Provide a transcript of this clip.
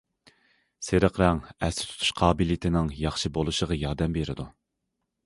سېرىق رەڭ ئەستە تۇتۇش قابىلىيىتىنىڭ ياخشى بولۇشىغا ياردەم بېرىدۇ.